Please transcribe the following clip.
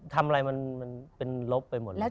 ทำอะไรมันเป็นลบไปหมดแล้ว